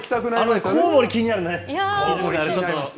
コウモリ気になるね。